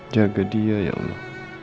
jaga dia ya allah